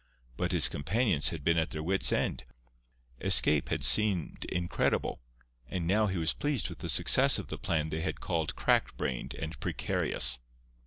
But his companions had been at their wits' end; escape had seemed incredible; and now he was pleased with the success of the plan they had called crack brained and precarious.